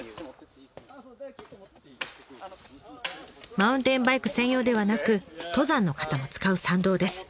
マウンテンバイク専用ではなく登山の方も使う山道です。